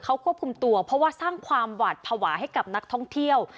เพราะว่าสร้างความหวัดพาหวาให้กับนักท่องเที่ยว